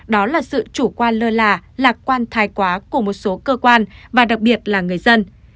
đó là sự chủ quan lơ là lạc quan thái quá của một số cơ quan và đặc biệt là người dân